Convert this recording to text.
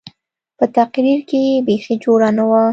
په تقرير کښې يې بيخي جوړه نه وه.